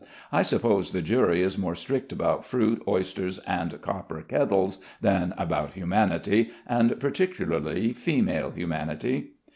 I suppose the jury is more strict about fruit, oysters, and copper kettles than about humanity, and particularly female humanity.